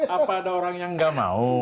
apa ada orang yang gak mau